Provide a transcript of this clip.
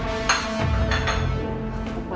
pernikahan karena paksaan kakak kamu